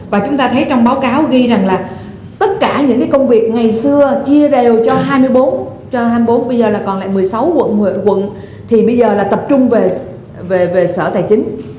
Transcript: và chúng ta thấy trong báo cáo ghi rằng là tất cả những công việc ngày xưa chia đều cho hai mươi bốn bây giờ còn lại một mươi sáu quận thì bây giờ là tập trung về sở tài chính